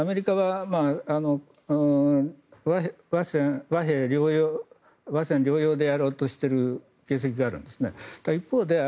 アメリカは和戦両方でやろうとしている感じがあるんですね。